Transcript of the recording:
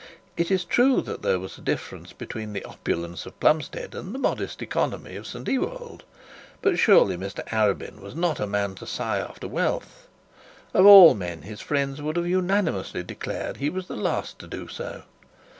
It is true there was a difference between the opulence of Plumstead and the modest economy of St Ewold; but surely Mr Arabin was not a man to sigh after wealth! Of all men, his friends would have unanimously declared he was the last to do so.